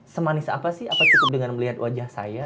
semanis apa sih apa cukup dengan melihat wajah saya